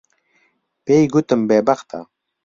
پێی گوتم بێبەختە.